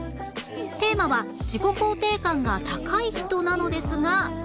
テーマは「自己肯定感が高い人」なのですが